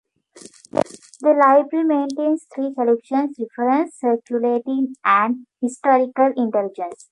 The Library maintains three collections: Reference, Circulating, and Historical Intelligence.